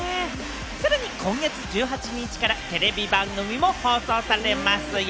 さらに今月１８日からはテレビ番組も放送されますよ。